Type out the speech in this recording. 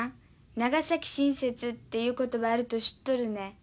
長崎親切っていう言葉あると知っとるね。